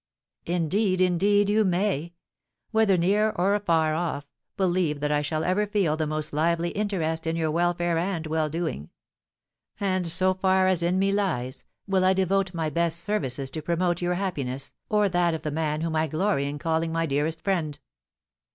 "Indeed, indeed, you may. Whether near or afar off, believe that I shall ever feel the most lively interest in your welfare and well doing; and, so far as in me lies, will I devote my best services to promote your happiness, or that of the man whom I glory in calling my dearest friend."